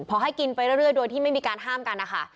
พอให้กินไปเรื่อยโดยที่ไม่มีการห้ามกันนะคะ